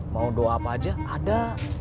mau doa apa aja ada